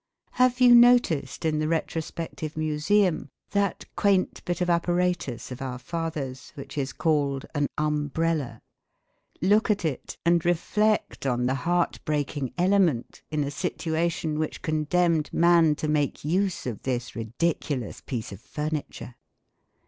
Have you noticed in the retrospective museum that quaint bit of apparatus of our fathers, which is called an umbrella? Look at it and reflect on the heart breaking element, in a situation, which condemned man to make use of this ridiculous piece of furniture.